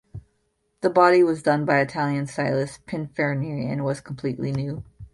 The body was done by Italian stylist Pininfarina and was completely new.